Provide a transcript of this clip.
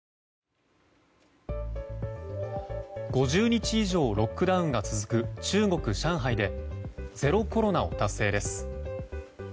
５０日以上ロックダウンが続く中国・上海でゼロコロナを達成です。